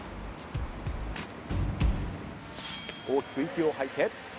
大きく息を吐いて。